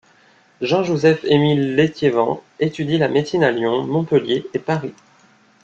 Jean Joseph Émile Létiévant étudie la médecine à Lyon, Montpellier et Paris.